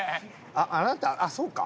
あなたあっそうか。